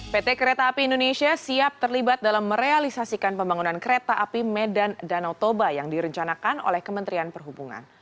pt kereta api indonesia siap terlibat dalam merealisasikan pembangunan kereta api medan danau toba yang direncanakan oleh kementerian perhubungan